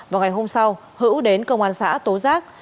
vào ngày hôm sau hữu đến công an xã tố giác